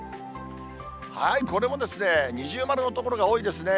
これも二重丸の所が多いですね。